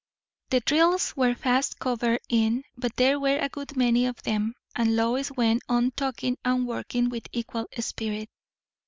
The drills were fast covered in, but there were a good many of them, and Lois went on talking and working with equal spirit.